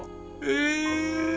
え。